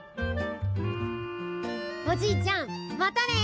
おじいちゃんまたね！